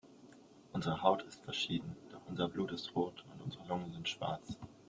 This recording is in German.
Unsere Haut ist verschieden, doch unser Blut ist rot und unsere Lungen sind schwarz.